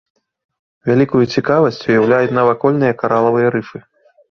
Вялікую цікавасць уяўляюць навакольныя каралавыя рыфы.